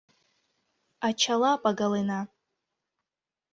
Ачала пагалена